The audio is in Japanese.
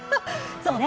そうね！